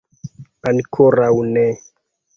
Ankoraŭ ne.